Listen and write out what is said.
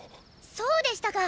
そうでしたか。